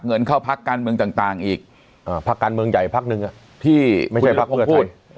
เงินเข้าพักการเมืองต่างอีกพักการเมืองใหญ่พักหนึ่งที่ไม่ใช่พักเพื่อไทย